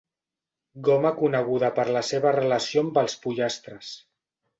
Goma coneguda per la seva relació amb els pollastres.